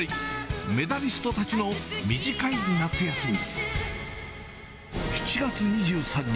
メダリストたちの短い夏休み。